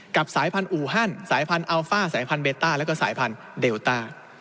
กับสายพันธุ์อูฮันสายพันธุ์อัลฟ้าสายพันธุ์เบตต้าและสายพันธุ์เดลต้า